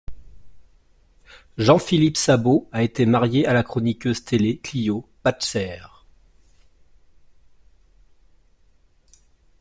Jean-Philippe Sabo a été marié à la chroniqueuse télé Clio Pajczer.